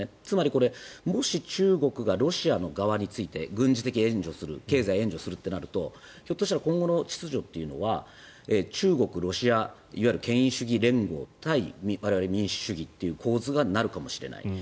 つまりこれ、もし中国がロシアの側について軍事的援助をする経済援助するとなるとひょっとしたら今後の秩序というのは中国、ロシアいわゆる権威主義連合対民主主義という構図がなるかもしれない。